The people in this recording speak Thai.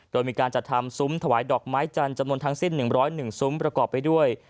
โดยมีการจัดทำซุ้มถวายดอกไม้จันทร์จำนวนทั้งสิ้น๑๐๑ซุ้มประกอบไปด้วย